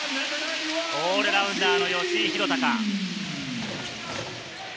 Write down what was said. オールラウンダーの吉井裕鷹。